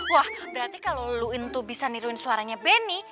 wah berarti kalo lo itu bisa niruin suaranya benny